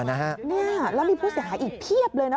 นี่แล้วมีผู้เสียหายอีกเพียบเลยนะ